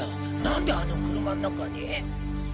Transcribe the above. なんであの車の中に？